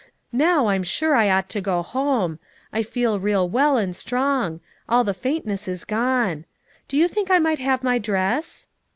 Now I'm sure I ought to go home; I feel real well and strong; all the faintness is gone. Do you think I might have my dress?"